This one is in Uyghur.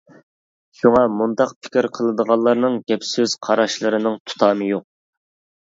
شۇڭا، مۇنداق پىكىر قىلىدىغانلارنىڭ گەپ-سۆز، قاراشلىرىنىڭ تۇتامى يوق!